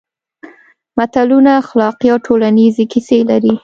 متلونه اخلاقي او ټولنیزې کیسې لري